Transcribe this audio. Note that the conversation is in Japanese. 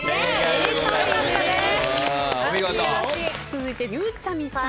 続いてゆうちゃみさん。